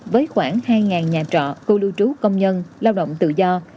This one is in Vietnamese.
với khoảng hai nhà trọ khu lưu trú công nhân lao động tự do